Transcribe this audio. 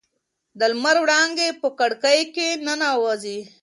د لمر وړانګې په کړکۍ کې ننوځي.